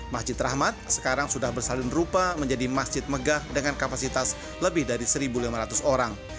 masjid rahmat sekarang sudah bersalin rupa menjadi masjid megah dengan kapasitas lebih dari satu lima ratus orang